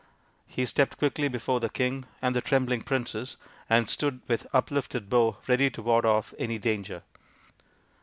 He stepped quickly before the king and the trembling princess, and stood with uplifted bow ready to ward off any danger.